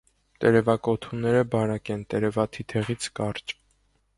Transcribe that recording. Տերևակոթունները բարակ են, տերևաթիթեղից կարճ։